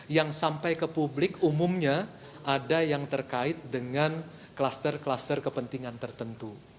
yang sampai ke publik umumnya ada yang terkait dengan kluster kluster kepentingan tertentu